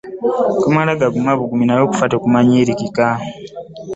Tumala gaguma bugumi naye okufa tekumanyiirika.